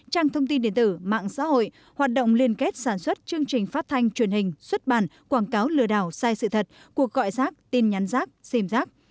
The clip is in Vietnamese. trang thông tin điện tử mạng xã hội hoạt động liên kết sản xuất chương trình phát thanh truyền hình xuất bản quảng cáo lừa đảo sai sự thật cuộc gọi rác tin nhắn rác xìm rác